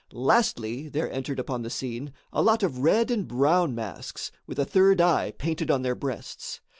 Lastly there entered upon the scene a lot of red and brown masks, with a "third eye" painted on their breasts.